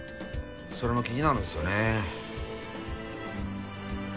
それも気になるんすよね。